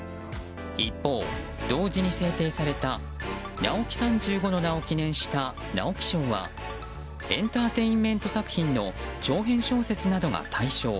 一方、同時に制定された直木三十五の名を記念した直木賞はエンターテインメント作品の長編小説などが対象。